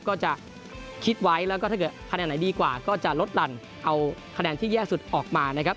ก็จะคิดไว้แล้วก็ถ้าเกิดคะแนนไหนดีกว่าก็จะลดหลั่นเอาคะแนนที่แย่สุดออกมานะครับ